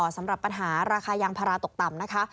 สำหรับปัญหาราคายางพาราตกต่ำนะคะ